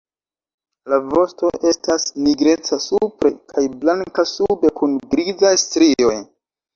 La vosto estas nigreca supre kaj blanka sube kun grizaj strioj.